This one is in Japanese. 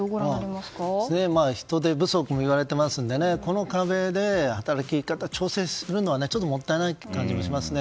人手不足もいわれていますのでこの壁で働き方を調整するのはもったいない感じもしますね。